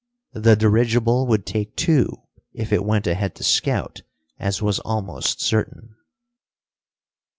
The dirigible would take two, if it went ahead to scout, as was almost certain.